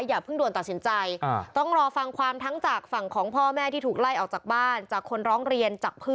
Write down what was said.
อย่าเพิ่งด่วนตัดสินใจ